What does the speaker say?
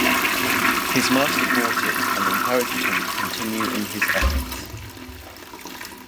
His master bought it and encouraged him to continue in his efforts.